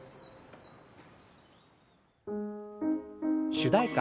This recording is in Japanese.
主題歌